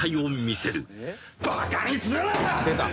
「バカにするな！」